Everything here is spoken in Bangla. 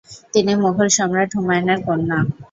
তিনি মোগল সম্রাট হুমায়ুনের কন্যা।